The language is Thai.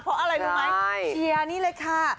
เพราะอะไรรู้ไหมเชียร์นี่เลยค่ะ